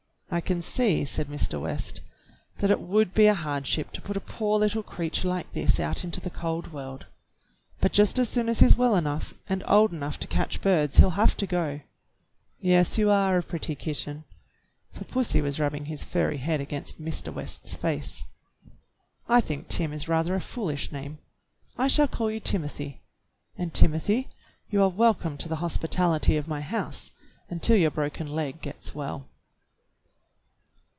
"I can see," said Mr. West, "that it would be a hardship to put a poor little creature like this out into the cold w^orld; but just as soon as he's well enough and old enough to catch birds he '11 have to go. Yes, you are a pretty kitten," — for pussy was rubbing his furry head against Mr. West's face. "I think Tim is rather a foolish name. I shall call you Timothy, and, Timothy, you are welcome to the hospitality of my house until your broken leg gets well."